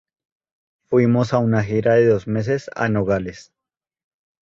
Fuimos a una gira de dos meses a Nogales.